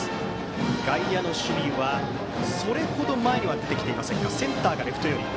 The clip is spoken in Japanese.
外野の守備はそれほど前には出てきていませんがセンターがレフト寄り。